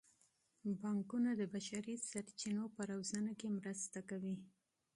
بانکونه د بشري سرچینو په روزنه کې مرسته کوي.